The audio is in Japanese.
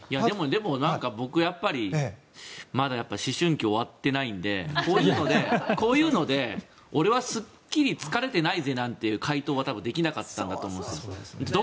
でも、僕まだ思春期が終わってないのでこういうので俺はすっきり疲れてないぜなんて回答は多分できなかったんだと思います。